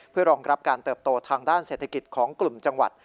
เพื่อรองรับการเติบโตทางด้านเศรษฐกิจของกลุ่มจังหวัด